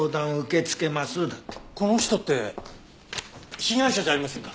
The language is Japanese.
この人って被害者じゃありませんか？